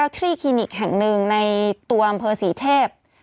ที่คลินิกแห่งหนึ่งในตัวอำเภอศรีเทพ